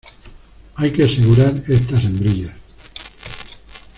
hay que asegurar estas hembrillas.